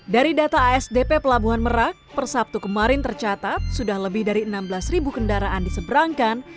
dari data asdp pelabuhan merak per sabtu kemarin tercatat sudah lebih dari enam belas kendaraan diseberangkan